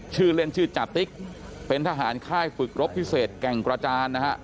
ชื่อเล่นชื่อจาติ๊กเป็นทหารค่ายฝึกรบพิเศษแก่งกระจานนะฮะ